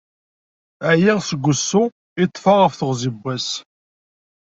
Ԑyiɣ seg usu i ṭṭfeɣ ɣef teɣzi n wass.